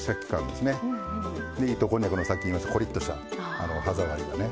で糸こんにゃくのさっき言いましたコリッとした歯触りがね